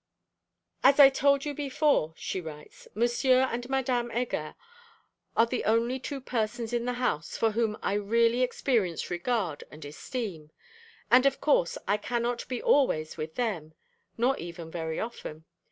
'As I told you before,' she writes, 'M. and Madame Heger are the only two persons in the house for whom I really experience regard and esteem; and of course I cannot be always with them, nor even very often.